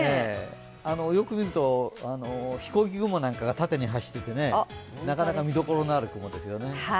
よく見ると、飛行機雲なんかが縦に走っていてなかなか見どころのある雲ですね。